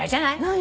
何？